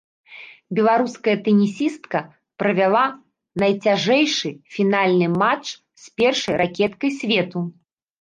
Беларуская тэнісістка правяла найцяжэйшы фінальны матч з першай ракеткай свету.